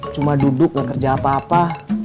cuma duduk gak kerja apa apa